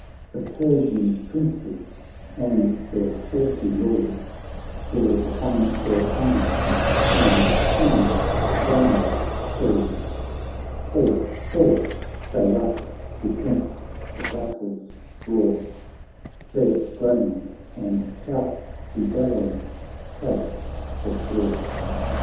The Persian Princes and their haughty Lord Gird on their arms, and seize the flaming sword : Forth, forth they rush to tempt the battle's roar, Earth groans, and shouts rebellowing shake the shore.